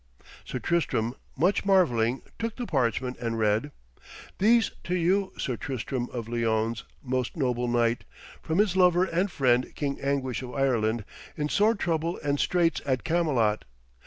Sir Tristram, much marvelling, took the parchment and read: 'These to you, Sir Tristram of Lyones, most noble knight, from his lover and friend King Anguish of Ireland, in sore trouble and straits at Camelot.